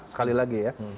sekali lagi ya